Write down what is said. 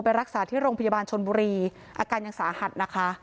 รักษาที่โรงพยาบาลชนบุรีอาการยังสาหัสนะคะ